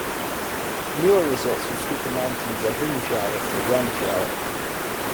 Newer resorts with steeper mountains are Hundfjället and Granfjället.